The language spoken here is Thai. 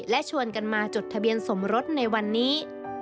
และชวนกันมาจดทะเบียนสมรสในวันนี้